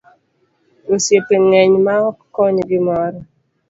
Osiepe ngeny maok kony gimoro.